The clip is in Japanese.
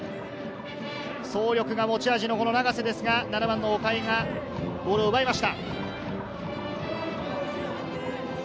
走力が持ち味の長瀬ですが、７番の岡井がボールを奪いました。